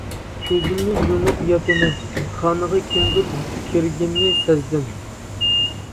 كۆزۈمنى يۇمۇپ ياتىمەن، خانىغا كىمدۇر كىرگىنىنى سەزدىم.